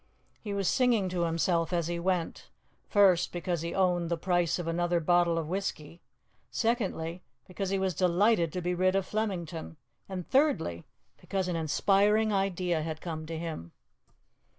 He was singing to himself as he went, first because he owned the price of another bottle of whisky; secondly, because he was delighted to be rid of Flemington; and thirdly, because an inspiring idea had come to him.